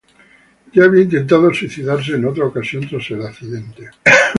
Ya había intentado suicidarse en otra ocasión tras el accidente.